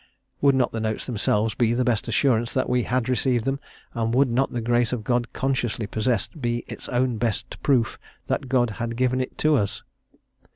Would not the notes themselves be the best assurance that we had received them, and would not the grace of God consciously possessed be its own best proof that God had given it to us?